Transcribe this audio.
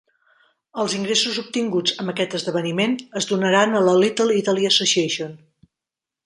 Els ingressos obtinguts amb aquest esdeveniment es donaran a la Little Italy Association.